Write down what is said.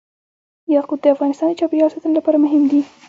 یاقوت د افغانستان د چاپیریال ساتنې لپاره مهم دي.